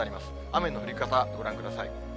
雨の降り方、ご覧ください。